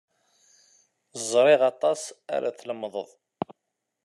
Ẓriɣ aṭas ara d-telmed.